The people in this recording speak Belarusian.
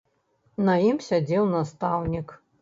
На ім сядзеў настаўнік.